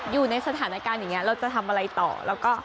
อยู่ในสถานการณ์อย่างนี้เราจะทำอะไรต่อแล้วก็